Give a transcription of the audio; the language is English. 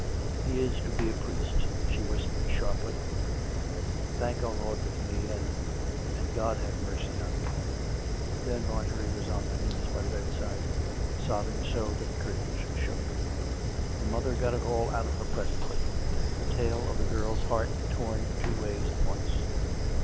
" He is to be a priest," she whispered sharply. " Tliank our Lord with me ... and ... and God have mercy on me! " Then Marjorie was on her knees by the bedside, sobbing so that the curtains shook. The mother got it all out of her presently — the tale of the girl's heart torn two ways at once.